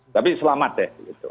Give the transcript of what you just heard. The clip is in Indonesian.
tapi selamat deh